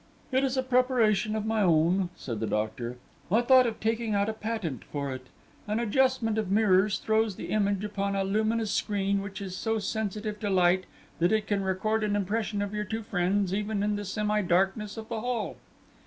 "It is a preparation of my own," said the doctor. "I thought of taking out a patent for it. An adjustment of mirrors throws the image upon a luminous screen which is so sensitive to light that it can record an impression of your two friends even in the semi darkness of the hall."